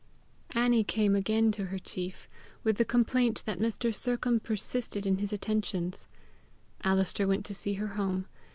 Annie came again to her chief, with the complaint that Mr. Sercombe persisted in his attentions. Alister went to see her home.